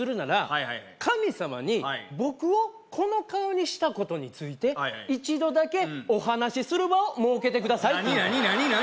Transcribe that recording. はいはい神様に僕をこの顔にしたことについて一度だけお話しする場を設けてくださいって何何何何！？